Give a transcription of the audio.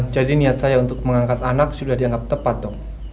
jadi niat saya untuk mengangkat anak sudah dianggap tepat dong